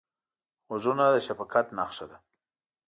غوږونه د شفقت نښه ده